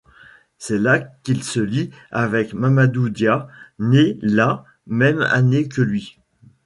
C'est là qu'il se lie avec Mamadou Dia, né la même année que lui.